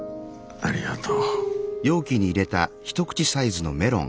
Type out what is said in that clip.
ありがとう。